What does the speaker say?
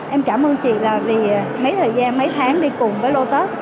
em cảm ơn chị là vì mấy thời gian mấy tháng đi cùng với lotus